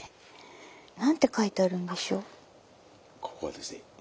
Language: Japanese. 何て書いてあるんでしょう？